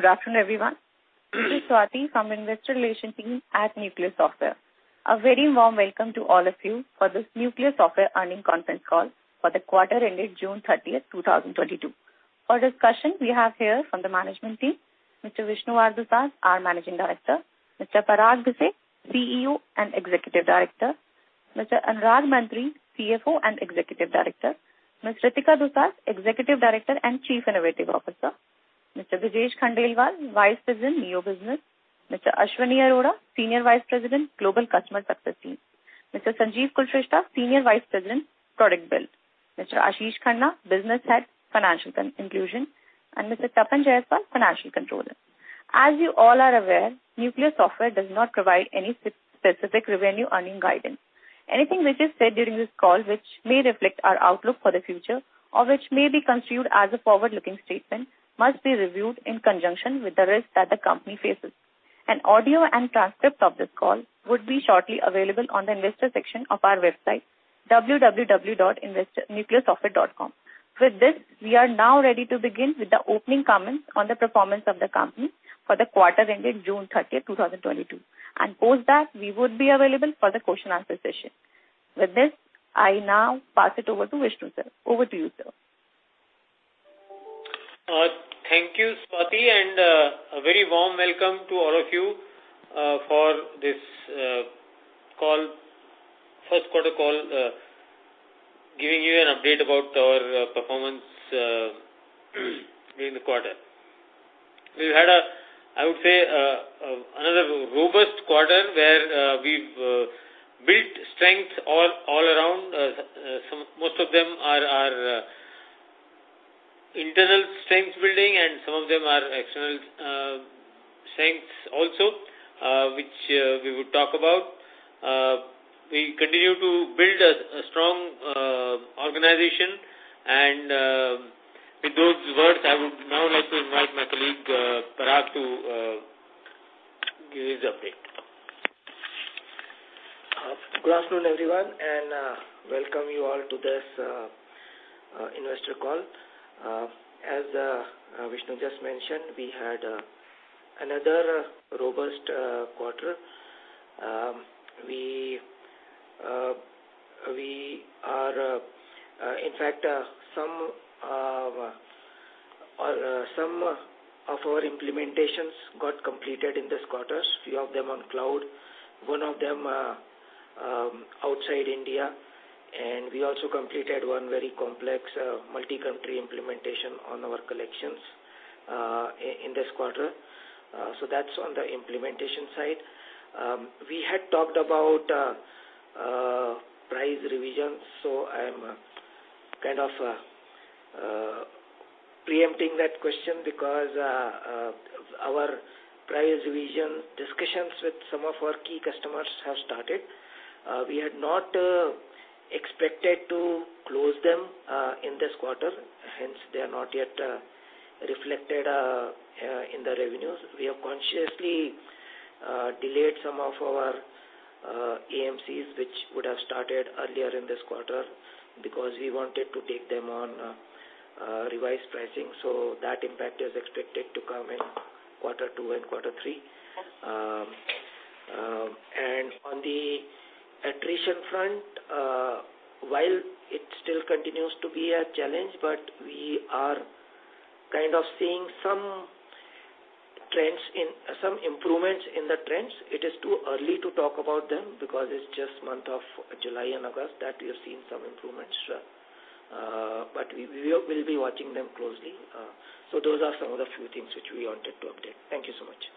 Good afternoon, everyone. This is Swati from Investor Relations team at Nucleus Software. A very warm welcome to all of you for this Nucleus Software earnings conference call for the quarter ended June 30th, 2022. For discussion, we have here from the management team, Mr. Vishnu R. Dusad, our Managing Director. Mr. Parag Bhise, CEO and Executive Director. Mr. Anurag Mantri, CFO and Executive Director. Ms. Ritika Dusad, Executive Director and Chief Innovative Officer. Mr. Brajesh Khandelwal, Vice President, Neo Business. Mr. Ashwani Arora, Senior Vice President, Global Customer Success Team. Mr. Sanjeev Kulshreshtha, Senior Vice President, Product Build. Mr. Ashish Khanna, Business Head, Financial Inclusion, and Mr. Tapan Jayaswal, Financial Controller. As you all are aware, Nucleus Software does not provide any specific revenue earnings guidance. Anything which is said during this call which may reflect our outlook for the future or which may be construed as a forward-looking statement must be reviewed in conjunction with the risks that the company faces. An audio and transcript of this call would be shortly available on the investor section of our website, www.investor.nucleussoftware.com. With this, we are now ready to begin with the opening comments on the performance of the company for the quarter ending June 30th, 2022. Post that, we would be available for the question and answer session. With this, I now pass it over to Vishnu, sir. Over to you, sir. Thank you, Swati, and a very warm welcome to all of you for this call, first quarter call, giving you an update about our performance during the quarter. We had, I would say, another robust quarter where we've built strength all around. Most of them are internal strength building, and some of them are external strengths also, which we would talk about. We continue to build a strong organization. With those words, I would now like to invite my colleague, Parag, to give his update. Good afternoon, everyone, and welcome you all to this investor call. As Vishnu just mentioned, we had another robust quarter. In fact, some of our implementations got completed in this quarter, few of them on cloud, one of them outside India, and we also completed one very complex multi-country implementation on our collections in this quarter. So that's on the implementation side. We had talked about price revisions, so I'm kind of preempting that question because our price revision discussions with some of our key customers have started. We had not expected to close them in this quarter, hence they are not yet reflected in the revenues. We have consciously delayed some of our AMCs, which would have started earlier in this quarter because we wanted to take them on revised pricing. That impact is expected to come in quarter two and quarter three. On the attrition front, while it still continues to be a challenge, but we are kind of seeing some improvements in the trends. It is too early to talk about them because it's just month of July and August that we have seen some improvements. We will be watching them closely. Those are some of the few things which we wanted to update. Thank you so much.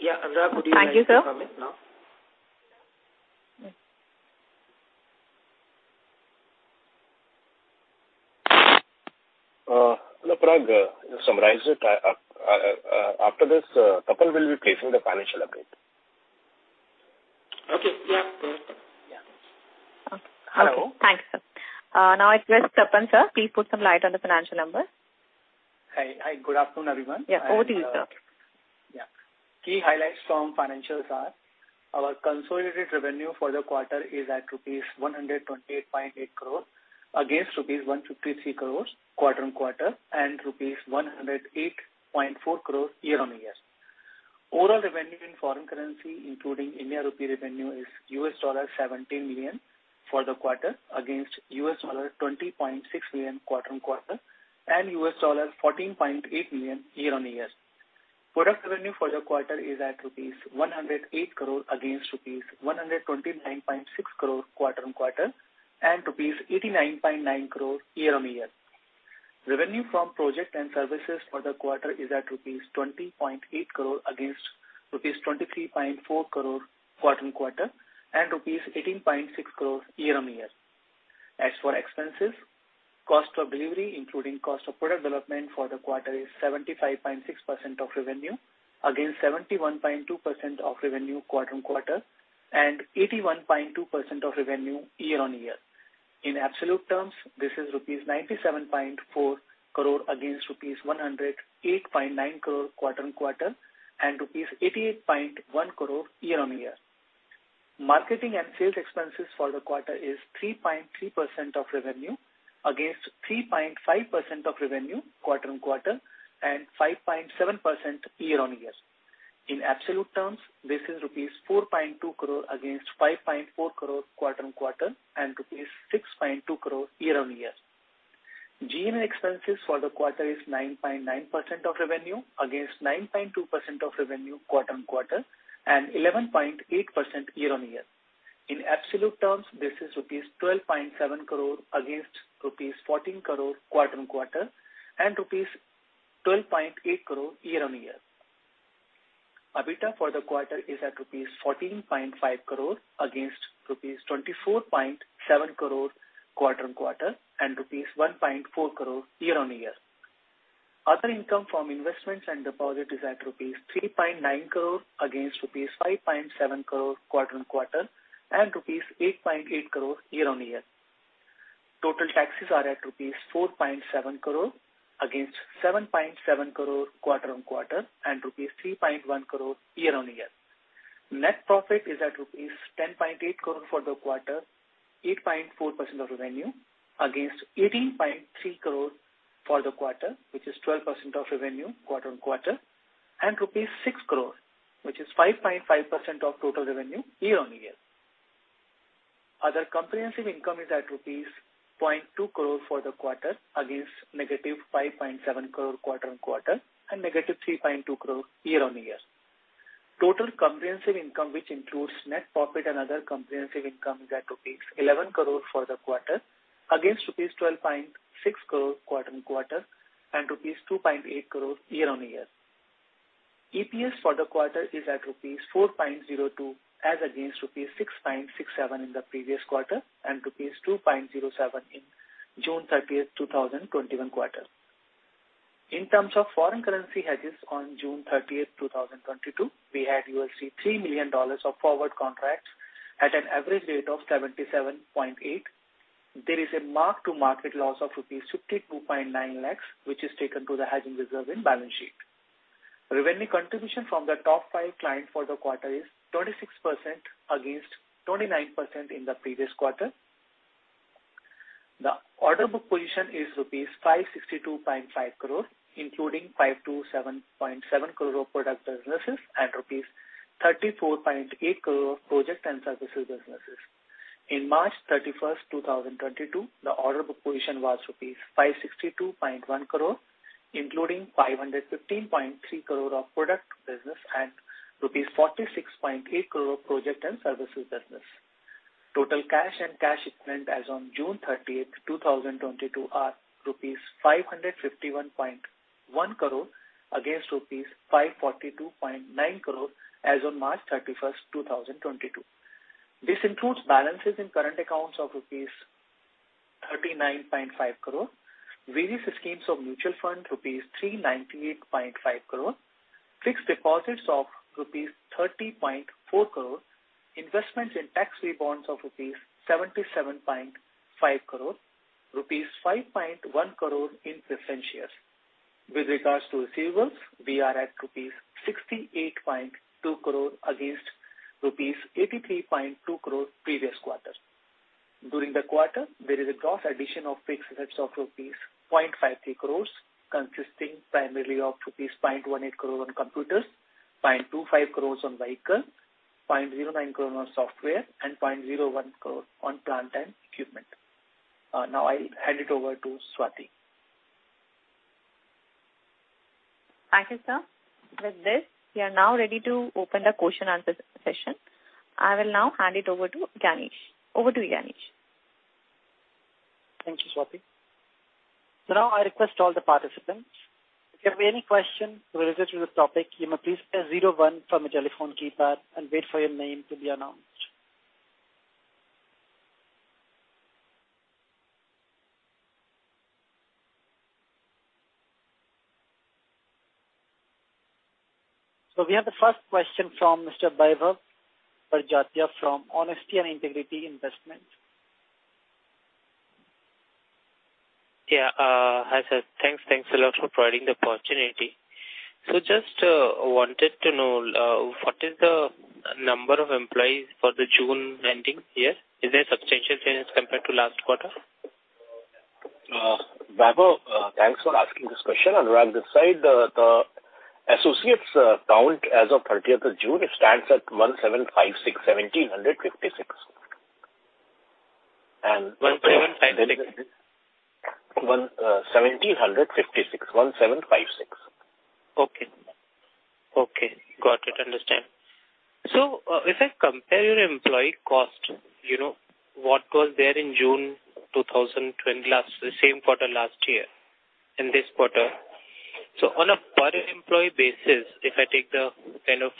Yeah, Anurag, would you like to come in now? Thank you, sir. No, Parag, summarize it. After this, Tapan will be placing the financial update. Okay. Yeah, sure. Yeah. Okay. Hello. Thanks, sir. Now I request Tapan, sir, please put some light on the financial numbers. Hi. Hi, good afternoon, everyone. Yeah, over to you, sir. Yeah. Key highlights from financials are our consolidated revenue for the quarter is at rupees 128.8 crore against rupees 153 crore quarter-over-quarter and rupees 108.4 crore year-over-year. Overall revenue in foreign currency, including Indian rupee revenue, is $17 million for the quarter against $20.6 million quarter-over-quarter and $14.8 million year-over-year. Product revenue for the quarter is at rupees 108 crore against rupees 129.6 crore quarter-over-quarter and rupees 89.9 crore year-over-year. Revenue from project and services for the quarter is at rupees 20.8 crore against rupees 23.4 crore quarter-over-quarter and INR 18.6 crore year-over-year. As for expenses, cost of delivery, including cost of product development for the quarter, is 75.6% of revenue against 71.2% of revenue quarter-on-quarter and 81.2% of revenue year-on-year. In absolute terms, this is rupees 97.4 crore against rupees 108.9 crore quarter-on-quarter and rupees 88.1 crore year-on-year. Marketing and sales expenses for the quarter is 3.3% of revenue against 3.5% of revenue quarter-on-quarter and 5.7% year-on-year. In absolute terms, this is rupees 4.2 crore against 5.4 crore quarter-on-quarter and rupees 6.2 crore year-on-year. G&A expenses for the quarter is 9.9% of revenue against 9.2% of revenue quarter-on-quarter and 11.8% year-on-year. In absolute terms, this is rupees 12.7 crore against rupees 14 crore quarter-on-quarter and rupees 12.8 crore year-on-year. EBITDA for the quarter is at rupees 14.5 crore against rupees 24.7 crore quarter-on-quarter and rupees 1.4 crore year-on-year. Other income from investments and deposit is at rupees 3.9 crore against rupees 5.7 crore quarter-on-quarter and rupees 8.8 crore year-on-year. Total taxes are at rupees 4.7 crore against 7.7 crore quarter-on-quarter and rupees 3.1 crore year-on-year. Net profit is at rupees 10.8 crore for the quarter, 8.4% of revenue against 18.3 crore for the quarter, which is 12% of revenue quarter-on-quarter, and rupees 6 crore, which is 5.5% of total revenue year-on-year. Other comprehensive income is at rupees 0.2 crore for the quarter against -5.7 crore quarter-over-quarter and -3.2 crore year-over-year. Total comprehensive income, which includes net profit and other comprehensive income, is at rupees 11 crore for the quarter against rupees 12.6 crore quarter-over-quarter and rupees 2.8 crore year-over-year. EPS for the quarter is at rupees 4.02 as against rupees 6.67 in the previous quarter and rupees 2.07 in June thirtieth, 2021 quarter. In terms of foreign currency hedges on June thirtieth, 2022, we had $3 million of forward contracts at an average rate of 77.8. There is a mark-to-market loss of rupees 52.9 lakhs, which is taken to the hedging reserve in balance sheet. Revenue contribution from the top five client for the quarter is 26% against 29% in the previous quarter. The order book position is rupees 562.5 crore, including 527.7 crore of product businesses and rupees 34.8 crore of project and services businesses. In March 31, 2022, the order book position was rupees 562.1 crore, including 515.3 crore of product business and rupees 46.8 crore of project and services business. Total cash and cash equivalent as on June 30, 2022 are INR 551.1 crore against INR 542.9 crore as on March 31st, 2022. This includes balances in current accounts of rupees 39.5 crore, various schemes of mutual fund rupees 398.5 crore, fixed deposits of rupees 30.4 crore, investments in tax-free bonds of rupees 77.5 crore, rupees 5.1 crore in preference shares. With regards to receivables, we are at rupees 68.2 crore against rupees 83.2 crore previous quarter. During the quarter, there is a gross addition of fixed assets of rupees 0.53 crore, consisting primarily of rupees 0.18 crore on computers, 0.25 crore on vehicle, 0.09 crore on software, and 0.01 crore on plant and equipment. Now I'll hand it over to Swati. Thank you, sir. With this, we are now ready to open the question and answer session. I will now hand it over to Ganesh. Over to Ganesh. Thank you, Swati. Now I request all the participants, if you have any question related to the topic, you may please press zero one from your telephone keypad and wait for your name to be announced. We have the first question from Mr. Vaibhav Badjatya from Honesty and Integrity Investment. Yeah. Hi, sir. Thanks. Thanks a lot for providing the opportunity. Just wanted to know what is the number of employees for the June ending year. Is there a substantial change compared to last quarter? Vaibhav, thanks for asking this question. On the right side, the associates count as of the 30th of June, it stands at 1,756. 1756? One, uh, 1756. One seven five six. Okay, got it. Understand. If I compare your employee cost, you know, what was there in June 2020, the same quarter last year and this quarter. On a per employee basis, if I take the kind of,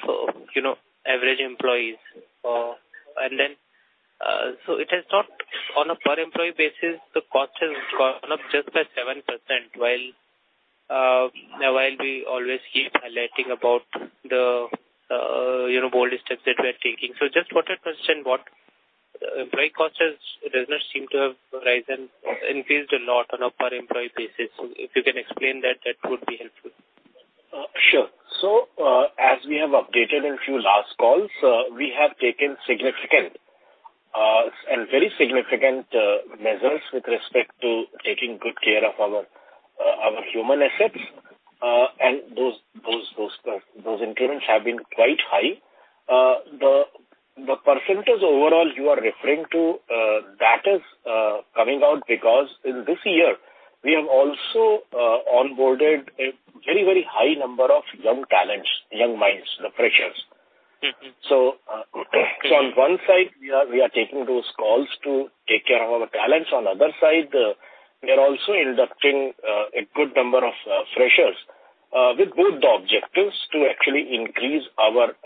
you know, average employees, and then, the cost has gone up just by 7% while we always keep highlighting about the, you know, bold steps that we're taking. Just wanted to understand what employee cost does not seem to have risen or increased a lot on a per employee basis. If you can explain that would be helpful. Sure. As we have updated in few last calls, we have taken significant and very significant measures with respect to taking good care of our human assets. Those increments have been quite high. The percentage overall you are referring to, that is coming out because in this year we have also onboarded a very, very high number of young talents, young minds, the freshers. Mm-hmm. On one side we are taking those calls to take care of our talents. On the other side, we are also inducting a good number of freshers with both the objectives to actually increase our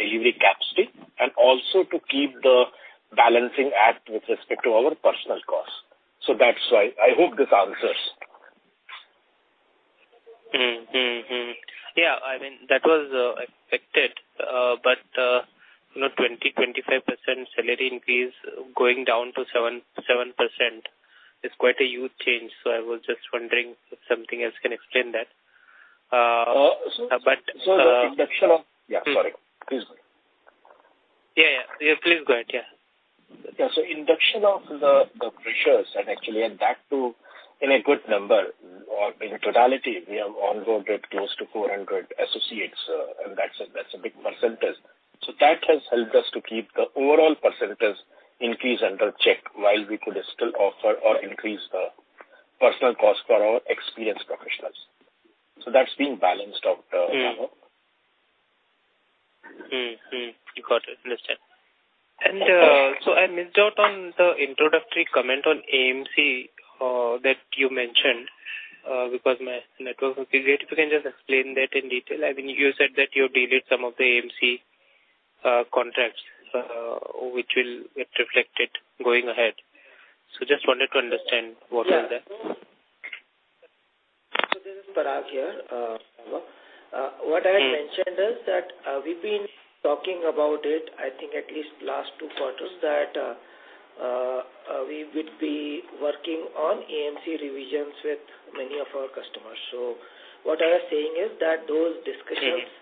delivery capacity and also to keep the balancing act with respect to our personal costs. That's why. I hope this answers. Yeah, I mean that was expected. You know, 25% salary increase going down to 7% is quite a huge change, so I was just wondering if something else can explain that. Yeah, sorry. Please go ahead. Yeah, yeah. Please go ahead. Yeah. Yeah. Induction of the freshers and actually and that too in a good number or in totality we have onboarded close to 400 associates, and that's a big percentage. That has helped us to keep the overall percentage increase in check while we could still offer or increase the personnel cost for our experienced professionals. That's been balanced out, [Vaibhav]. Mm-hmm. Mm-hmm. You got it. Understood. I missed out on the introductory comment on AMC that you mentioned because my network was a bit weird. If you can just explain that in detail. I mean, you said that you've delayed some of the AMC contracts which will get reflected going ahead. Just wanted to understand what was that. Yeah. This is Parag here, [Vaibhav]. What I mentioned is that we've been talking about it, I think at least last two quarters that we would be working on AMC revisions with many of our customers. What I was saying is that those discussions. Mm-hmm.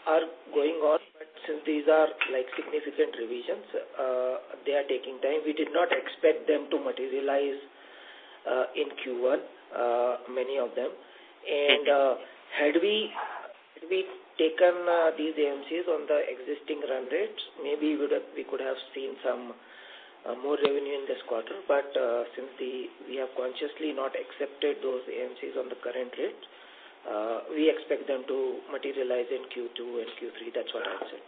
They are going on, but since these are like significant revisions, they are taking time. We did not expect them to materialize in Q1, many of them. Had we taken these AMCs on the existing run rates, maybe we would have, we could have seen some more revenue in this quarter. Since we have consciously not accepted those AMCs on the current rates, we expect them to materialize in Q2 and Q3. That's what I would say.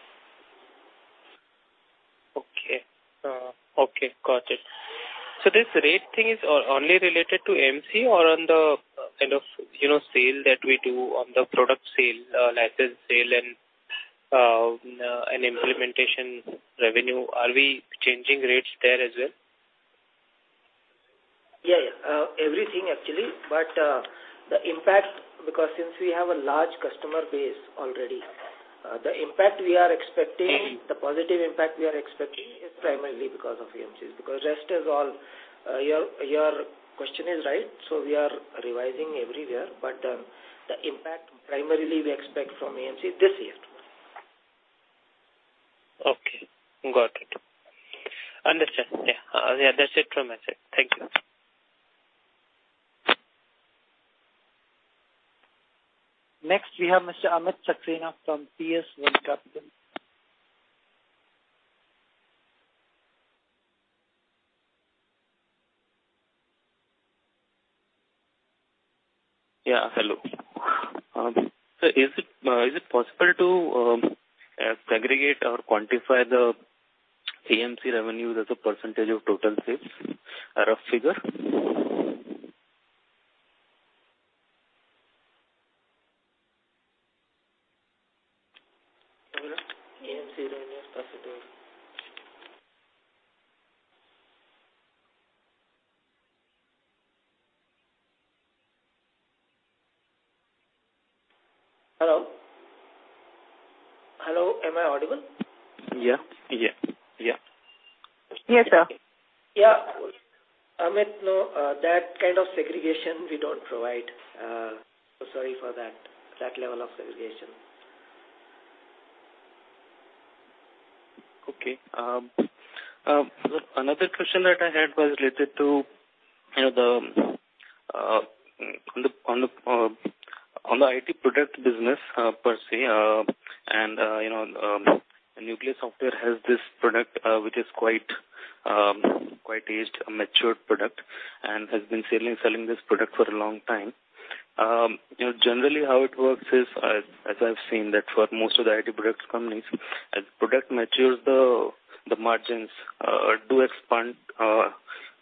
Got it. This rate thing is only related to AMC or on the kind of, you know, sale that we do on the product sale, license sale and an implementation revenue. Are we changing rates there as well? Yeah, yeah. Everything actually. The impact because since we have a large customer base already, the impact we are expecting, the positive impact we are expecting is primarily because of AMCs. Because rest is all, your question is right, so we are revising everywhere. The impact primarily we expect from AMC this year. Okay. Got it. Understood. Yeah. Yeah, that's it from my side. Thank you. Next we have [Mr. Amit Chokre] from [PS World Capital]. Yeah. Hello. Is it possible to segregate or quantify the AMC revenue as a percentage of total sales, a rough figure? AMC revenue as percentage of Hello? Hello, am I audible? Yeah. Yeah. Yeah. Yes, sir. Yeah. Amit, no, that kind of segregation we don't provide. Sorry for that level of segregation. Okay. Another question that I had was related to, you know, the IT product business per se. Nucleus Software has this product which is quite aged, a matured product and has been selling this product for a long time. You know, generally how it works is, as I've seen that for most of the IT products companies, as product matures the margins do expand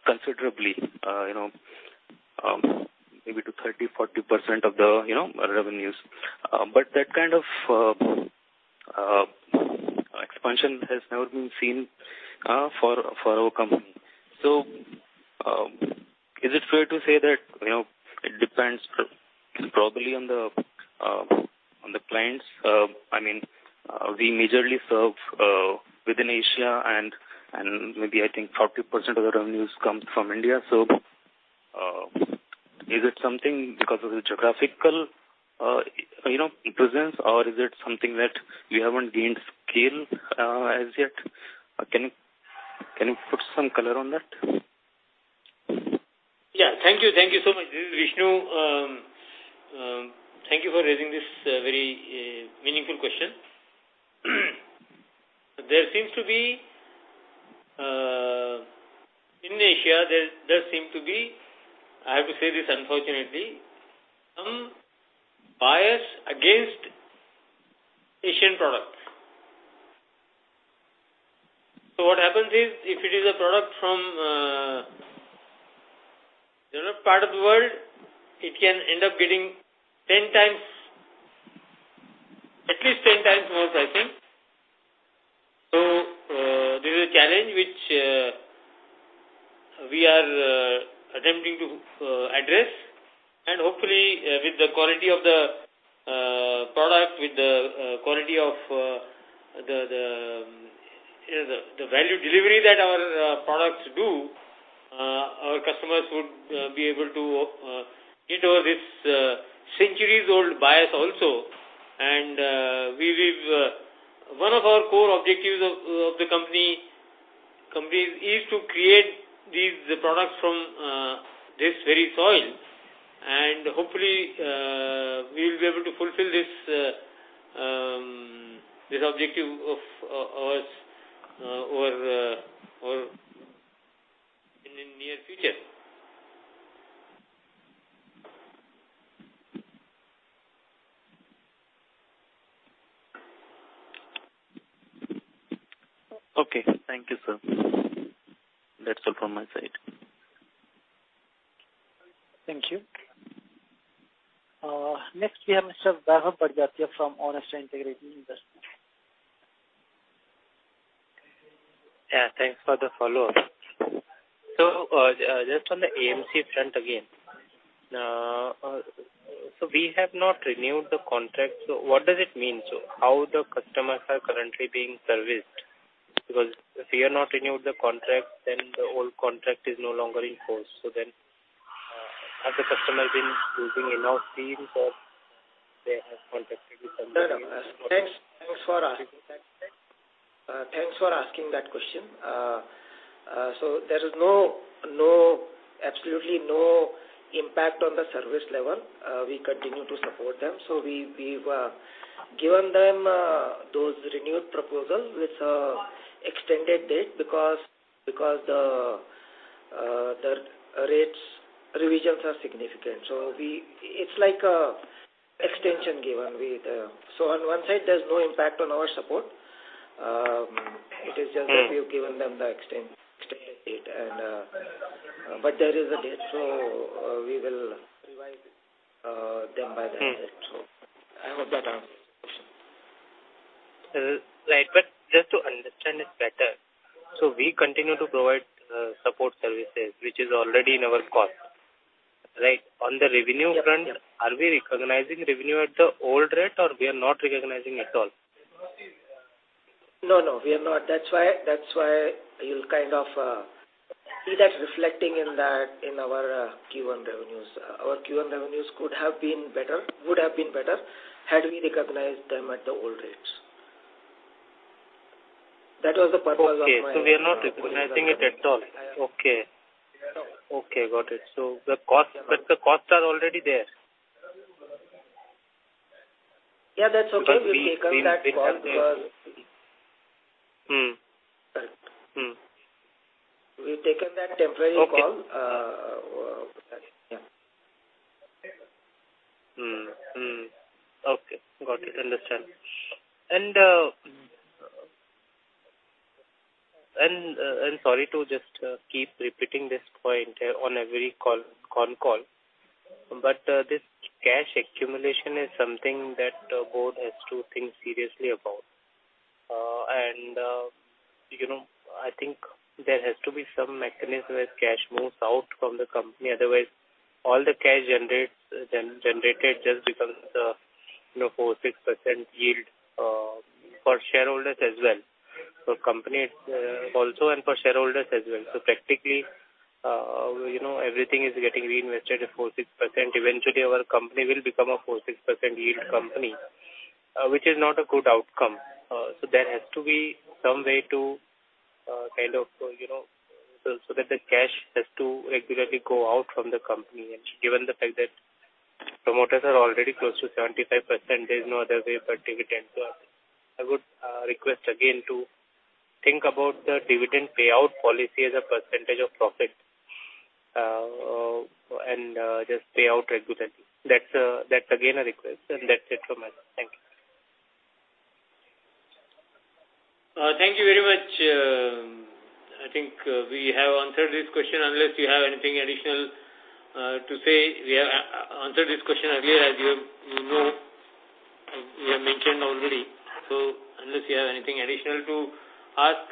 considerably, you know, maybe to 30%-40% of the revenues. But that kind of expansion has never been seen for our company. Is it fair to say that, you know, it depends probably on the clients? I mean, we majorly serve within Asia and maybe I think 40% of the revenues come from India. Is it something because of the geographical you know presence or is it something that you haven't gained scale as yet? Can you put some color on that? Yeah. Thank you. Thank you so much. This is Vishnu. Thank you for raising this very meaningful question. In Asia there seem to be, I have to say this unfortunately, some bias against Asian products. What happens is if it is a product from, you know, part of the world, it can end up getting 10 times, at least 10 times more, I think. This is a challenge which we are attempting to address and hopefully with the quality of the product, with the quality of the value delivery that our products do, our customers would be able to get over this centuries-old bias also. We will. One of our core objectives of the company is to create these products from this very soil. Hopefully, we'll be able to fulfill this objective of ours over in the near future. Okay. Thank you, sir. That's all from my side. Thank you. Next we have Mr. Vaibhav Badjatya from Honesty and Integrity Investment. Yeah. Thanks for the follow-up. Just on the AMC front again. We have not renewed the contract. What does it mean? How the customers are currently being serviced? Because if you have not renewed the contract, then the old contract is no longer in force. Have the customers been losing enough deals or they have contacted you from Thanks for asking that. Thanks for asking that question. There is no absolutely no impact on the service level. We continue to support them. We've given them those renewed proposals with extended date because the rates revisions are significant. It's like an extension given. On one side there's no impact on our support. It is just that we've given them the extension date and. There is a date, we will revise them by that date. I hope that answers your question. Right. Just to understand this better, so we continue to provide support services which is already in our cost, right? On the revenue front, are we recognizing revenue at the old rate or we are not recognizing at all? No, no, we are not. That's why, that's why you'll kind of see that reflecting in that, in our Q1 revenues. Our Q1 revenues could have been better, would have been better had we recognized them at the old rates. That was the purpose of my. Okay. We are not recognizing it at all. Okay. At all. Okay, got it. The cost, but the costs are already there. Yeah, that's okay. We've taken that call because. Mm. Correct. Mm. We've taken that temporary call. Okay. Yeah. Okay. Got it. Understand. Sorry to just keep repeating this point on every conference call, but this cash accumulation is something that the board has to think seriously about. You know, I think there has to be some mechanism as cash moves out from the company, otherwise all the cash generated just becomes, you know, 4%-6% yield for shareholders as well. For company also and for shareholders as well. So practically, you know, everything is getting reinvested at 4%-6%. Eventually our company will become a 4%-6% yield company, which is not a good outcome. There has to be some way to kind of, you know, that the cash has to regularly go out from the company. Given the fact that promoters are already close to 75%, there's no other way but dividend. I would request again to think about the dividend payout policy as a percentage of profit. Just pay out regularly. That's again a request. That's it from my end. Thank you. Thank you very much. I think we have answered this question. Unless you have anything additional to say, we have answered this question earlier as you know, we have mentioned already. Unless you have anything additional to ask,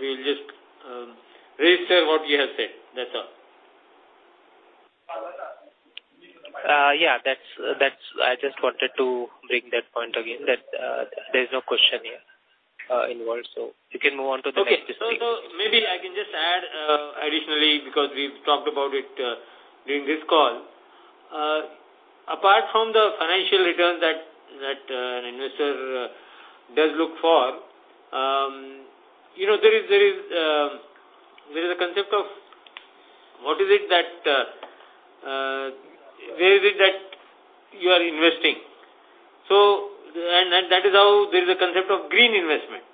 we'll just restate what we have said. That's all. I just wanted to bring that point again that there's no question here involved, so you can move on to the next. Okay. Maybe I can just add additionally, because we've talked about it during this call. Apart from the financial returns that an investor does look for, you know, there is a concept of where it is that you are investing. That is how there is a concept of green investment,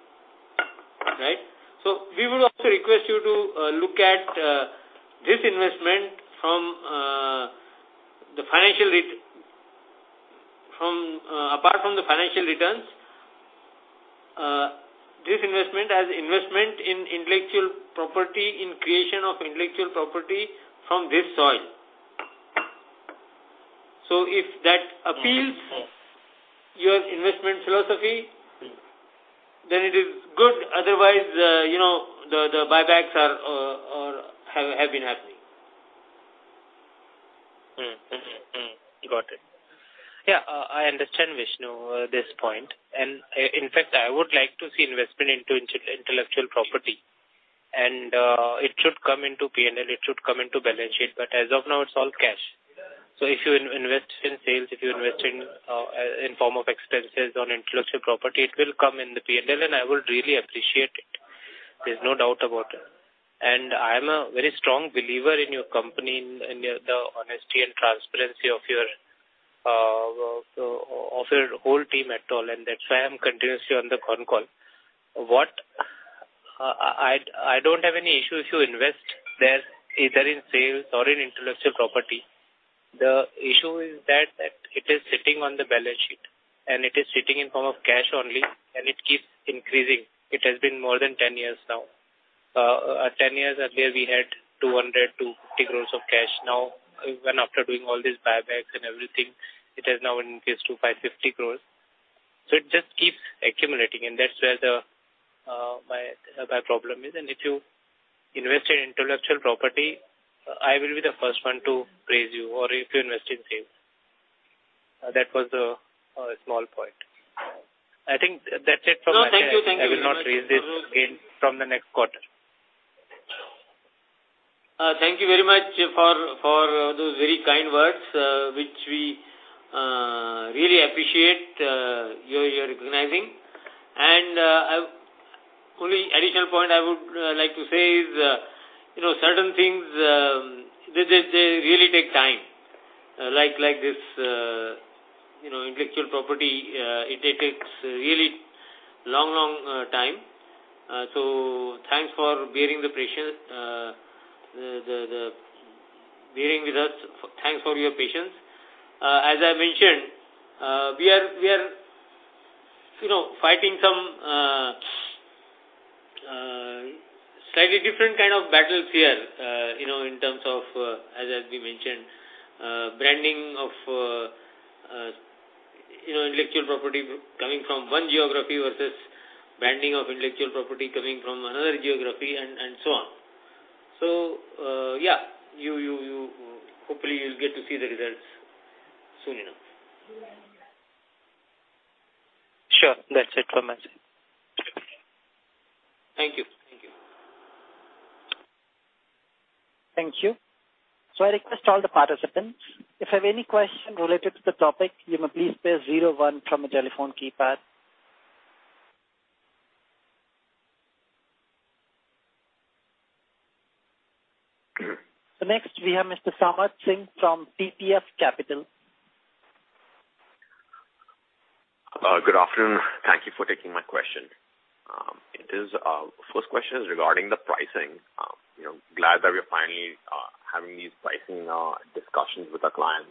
right? We would also request you to look at this investment from apart from the financial returns, this investment as investment in intellectual property, in creation of intellectual property from this soil. If that appeals your investment philosophy, then it is good. Otherwise, you know, the buybacks have been happening. Got it. Yeah, I understand, Vishnu, this point, and in fact, I would like to see investment into intellectual property. It should come into P&L, it should come into balance sheet, but as of now, it's all cash. If you invest in sales, if you invest in form of expenses on intellectual property, it will come in the P&L, and I would really appreciate it. There's no doubt about it. I'm a very strong believer in your company and the honesty and transparency of your whole team at all. That's why I'm continuously on the con call. I don't have any issue if you invest there, either in sales or in intellectual property. The issue is that it is sitting on the balance sheet, and it is sitting in form of cash only, and it keeps increasing. It has been more than 10 years now. 10 years earlier, we had 250 crore of cash. Now, even after doing all these buybacks and everything, it has now increased to 550 crore. It just keeps accumulating, and that's where the my problem is. If you invest in intellectual property, I will be the first one to praise you or if you invest in sales. That was the small point. I think that's it from my side. No, thank you. Thank you. I will not raise this again from the next quarter. Thank you very much for those very kind words, which we really appreciate, your recognizing. Only additional point I would like to say is, you know, certain things they really take time. Like this, you know, intellectual property, it takes really long time. Thanks for bearing the pressure. Bearing with us. Thanks for your patience. As I mentioned, we are, you know, fighting some slightly different kind of battle here, you know, in terms of, as has been mentioned, branding of, you know, intellectual property coming from one geography versus branding of intellectual property coming from another geography and so on. Yeah, you hopefully you'll get to see the results soon enough. Sure. That's it from my side. Thank you. Thank you. Thank you. I request all the participants, if you have any question related to the topic, you may please press zero one from your telephone keypad. Next we have Mr. Samarth Singh from TPF Capital. Good afternoon. Thank you for taking my question. It is, first question is regarding the pricing. You know, glad that we are finally having these pricing discussions with our clients.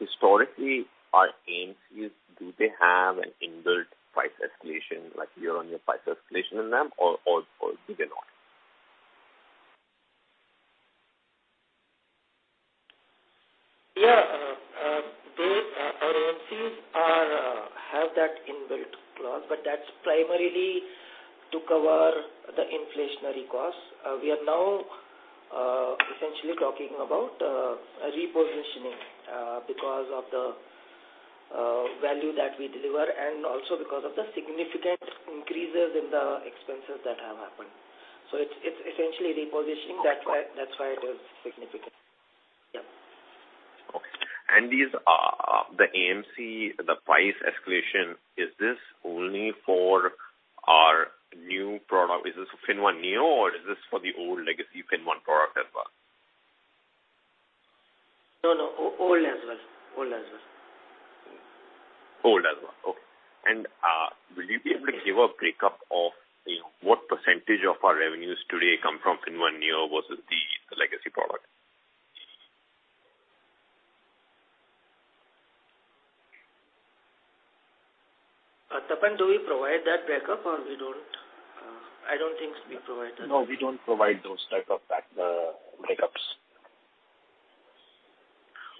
Historically, our AMCs, do they have an inbuilt price escalation, like year-on-year price escalation in them or do they not? Yeah. Both our AMCs have that inbuilt clause, but that's primarily to cover the inflationary costs. We are now essentially talking about a repositioning because of the value that we deliver and also because of the significant increases in the expenses that have happened. It's essentially repositioning. That's why it is significant. Yeah. Okay. These, the AMC, the price escalation, is this only for our new product? Is this FinnOne Neo or is this for the old legacy FinnOne product as well? No. Old as well. Old as well. Okay. Will you be able to give a breakup of, you know, what percentage of our revenues today come from FinnOne Neo versus the legacy product? Tapan, do we provide that breakup or we don't? I don't think we provide that. No, we don't provide those type of breakups.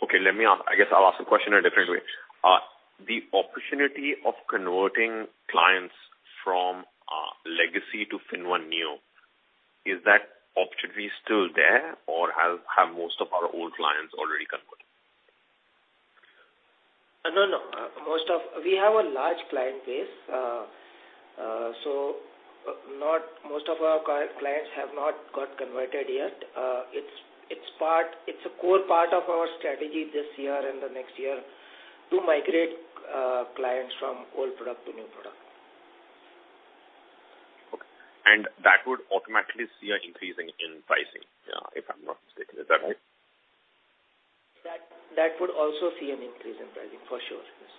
Okay, let me ask. I guess I'll ask the question a different way. The opportunity of converting clients from legacy to FinnOne Neo. Is that opportunity still there or have most of our old clients already converted? No, no. We have a large client base, most of our clients have not got converted yet. It's a core part of our strategy this year and the next year to migrate clients from old product to new product. Okay. That would automatically see an increase in pricing, if I'm not mistaken. Is that right? That would also see an increase in pricing, for sure. Yes.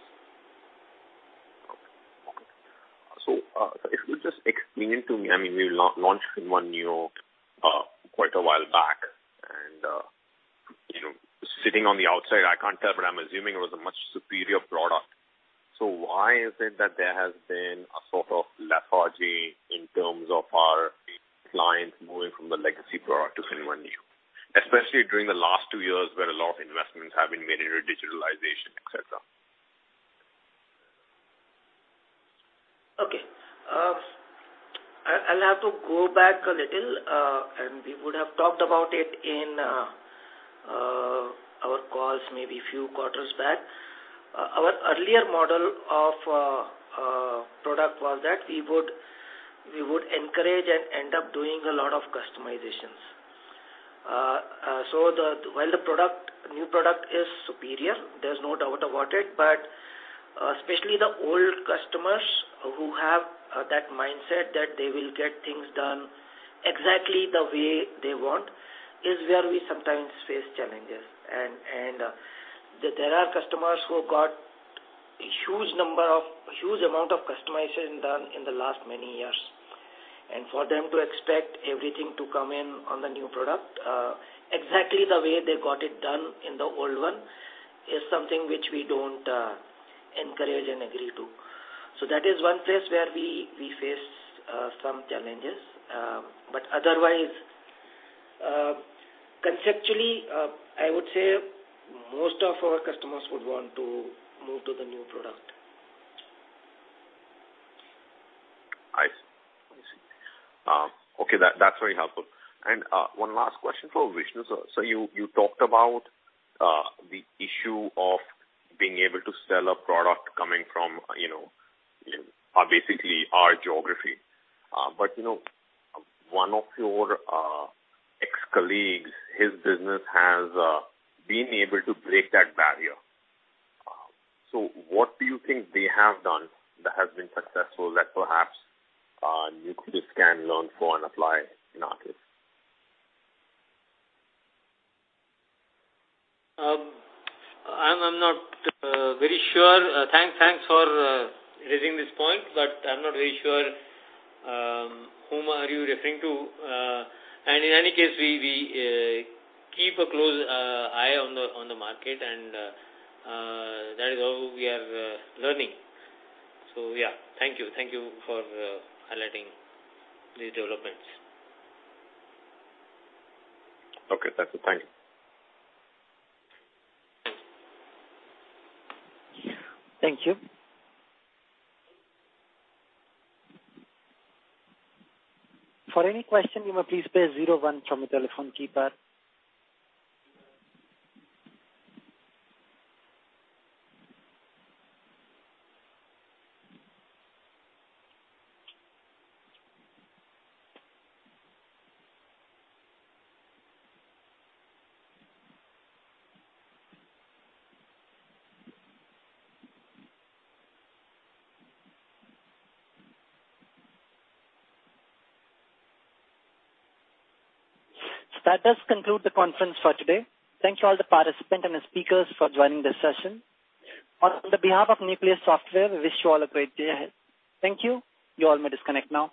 Okay. If you could just explain it to me. I mean, we launched FinnOne Neo quite a while back and, you know, sitting on the outside, I can't tell, but I'm assuming it was a much superior product. Why is it that there has been a sort of lethargy in terms of our clients moving from the legacy product to FinnOne Neo, especially during the last two years where a lot of investments have been made into digitalization, et cetera? Okay. I'll have to go back a little, and we would have talked about it in our calls maybe a few quarters back. Our earlier model of product was that we would encourage and end up doing a lot of customizations. While the product, new product is superior, there's no doubt about it, but especially the old customers who have that mindset that they will get things done exactly the way they want is where we sometimes face challenges. There are customers who got a huge amount of customization done in the last many years. For them to expect everything to come in on the new product exactly the way they got it done in the old one is something which we don't encourage and agree to. That is one place where we face some challenges. Otherwise, conceptually, I would say most of our customers would want to move to the new product. I see. Okay. That's very helpful. One last question for Vishnu. You talked about the issue of being able to sell a product coming from, you know, basically our geography. But you know, one of your ex-colleagues, his business has been able to break that barrier. What do you think they have done that has been successful that perhaps Nucleus can learn from and apply in our case? I'm not very sure. Thanks for raising this point, but I'm not very sure whom are you referring to. In any case, we keep a close eye on the market and that is how we are learning. Yeah. Thank you. Thank you for highlighting these developments. Okay. That's it. Thank you. Thank you. For any question, you may please press zero-one from your telephone keypad. That does conclude the conference for today. Thanks to all the participants and the speakers for joining this session. On behalf of Nucleus Software, we wish you all a great day ahead. Thank you. You all may disconnect now.